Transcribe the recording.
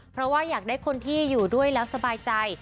เพราะว่าอยากได้คนที่อยู่ด้วยแล้วสบายใจ